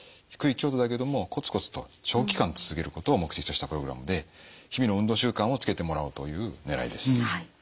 低い強度だけれどもコツコツと長期間続けることを目的としたプログラムで日々の運動習慣をつけてもらおうというねらいです。